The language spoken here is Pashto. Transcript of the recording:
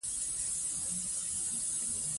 موږ باید سالم فکر ولرو.